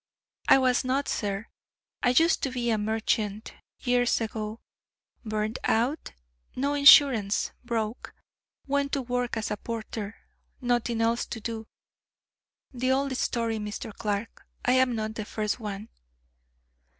"I was not, sir. I used to be a merchant, years ago; burned out; no insurance; broke; went to work as a porter; nothing else to do. The old story, Mr. Clark; I am not the first one!"